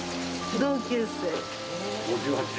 同級生。